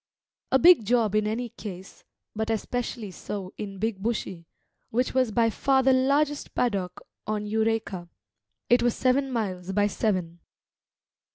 A big job in any case, but especially so in Big Bushy, which was by far the largest paddock on Eureka; it was seven miles by seven.